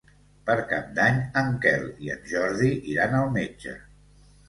Per Cap d'Any en Quel i en Jordi iran al metge.